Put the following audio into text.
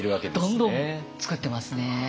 どんどん作ってますね。